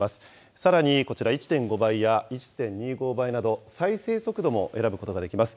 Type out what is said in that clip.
さらにこちら、１．５倍や１．２５倍など、再生速度も選ぶことができます。